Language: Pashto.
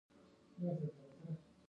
د غڼې د چیچلو لپاره باید څه شی وکاروم؟